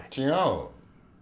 違う。